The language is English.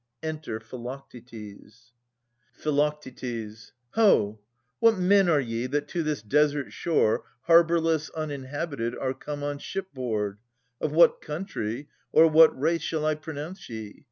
Enter Philoctetes. Philoctetes. Ho ! What men are ye that to this desert shore, Harbourless, uninhabited, are come On shipboard? Of what country or what race Shall I pronounce ye